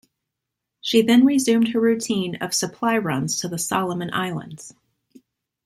She then resumed her routine of supply runs to the Solomon Islands.